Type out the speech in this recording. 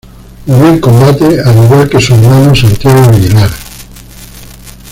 Murió en combate al igual que su hermano Santiago Aguilar.